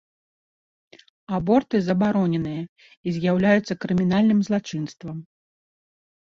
Аборты забароненыя і з'яўляюцца крымінальным злачынствам.